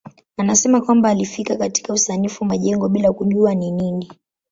Anasema kwamba alifika katika usanifu majengo bila kujua ni nini.